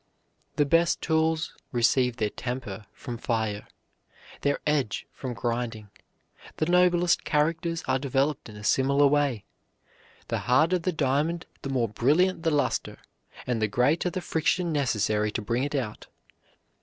The best tools receive their temper from fire, their edge from grinding; the noblest characters are developed in a similar way. The harder the diamond, the more brilliant the luster, and the greater the friction necessary to bring it out.